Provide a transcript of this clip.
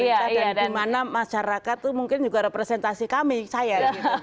dan kutip pemerintah dan dimana masyarakat itu mungkin juga representasi kami saya